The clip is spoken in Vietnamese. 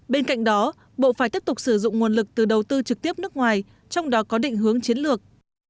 bên cạnh đó bộ phải tiếp tục sử dụng nguồn lực từ đầu tư trực tiếp nước ngoài trong đó có định hướng chiến lược